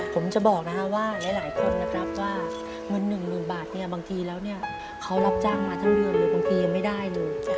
ผมจะบอกว่าหลายคนได้รับถามว่าเงิน๑หนึ่งบาทเขารับจ้างมาทั้งเดือนเลยบางทียังไม่ได้เลย